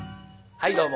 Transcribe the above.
はいどうも。